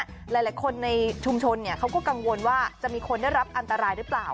หลายคนในชุมชนเขาก็กังวลว่าจะมีคนได้รับอันตรายหรือเปล่า